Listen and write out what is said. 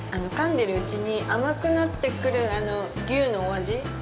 でるうちに甘くなってくるあの牛のお味。